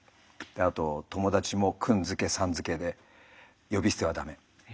あと友達も君付けさん付けで呼び捨てはダメ。